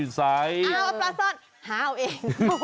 เอาปลาซ่อนหาเอาเอง